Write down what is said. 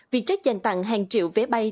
vietjet dành tặng hàng triệu vé bay